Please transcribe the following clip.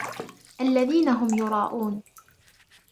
الَّذِينَ هُمْ يُرَاءُونَ